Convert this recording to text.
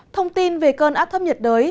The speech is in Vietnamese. thông tin về cơn áp thấp nhiệt đới